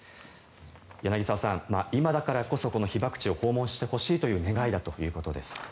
柳澤さん、今だからこそ被爆地を訪問してほしいという願いだということです。